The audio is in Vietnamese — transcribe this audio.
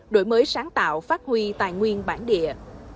đổi mới sáng tạo phát huy tài nguyên bản địa